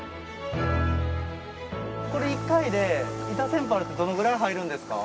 これ１回でイタセンパラってどのぐらい入るんですか？